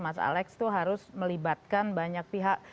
mas alex itu harus melibatkan banyak pihak